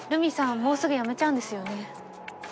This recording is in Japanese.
もうすぐ辞めちゃうんですよね。